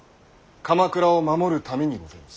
鎌倉を守るためにございます。